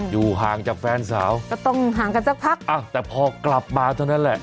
อยู่ห่างจากแฟนสาวก็ต้องห่างกันสักพักอ้าวแต่พอกลับมาเท่านั้นแหละ